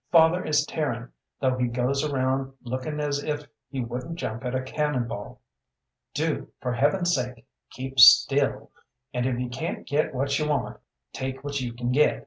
Father is tearing, though he goes around looking as if he wouldn't jump at a cannon ball. Do, for Heaven's sake, keep still; and if you can't get what you want, take what you can get.